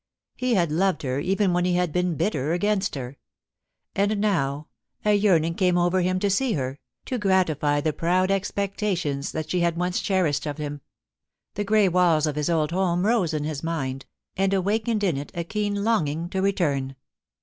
He had loved her even when he had been bitter against her ; and now a yearning came over him to see her, to gratify the proud expectations that she had once cherished of him. The grey walls of his old home rose in his mind, and awakened in it a keen longing to return.